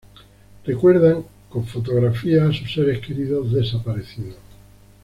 Recuerdan con fotografías a sus seres queridos, desaparecidos.